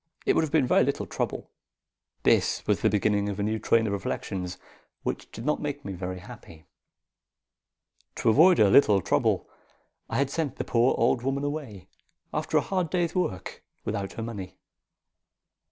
"It would have been very little trouble." This was the beginning of a new train of reflections, which did not make me very happy. To avoid a little trouble, I had sent the poor old woman away, after a hard day's work, without her money.